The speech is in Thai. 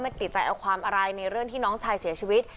ติดใจเอาความอะไรในเรื่องที่น้องชายเสียชีวิต